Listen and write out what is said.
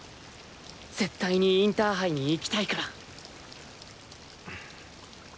絶対にインターハイに行きたいから。